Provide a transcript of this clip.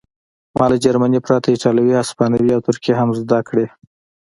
ما له جرمني پرته ایټالوي هسپانوي او ترکي هم زده کړې